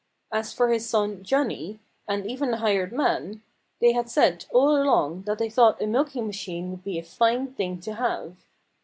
As for his son Johnnie and even the hired man they had said all along that they thought a milking machine would be a fine thing to have.